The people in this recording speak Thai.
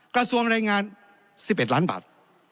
กระทรวงแรงงาน๑๑ล้านบาท